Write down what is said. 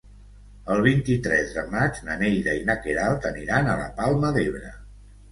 El vint-i-tres de maig na Neida i na Queralt aniran a la Palma d'Ebre.